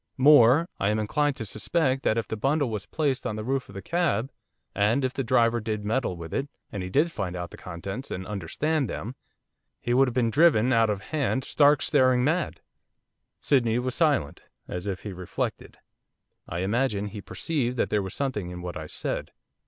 More. I am inclined to suspect that if the bundle was placed on the roof of the cab, and if the driver did meddle with it, and did find out the contents, and understand them, he would have been driven, out of hand, stark staring mad.' Sydney was silent, as if he reflected. I imagine he perceived there was something in what I said.